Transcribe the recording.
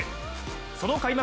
その開幕